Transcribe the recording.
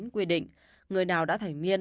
quy định người nào đã thành viên